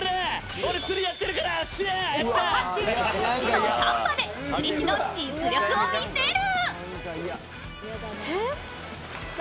土壇場で釣り師の実力を見せる。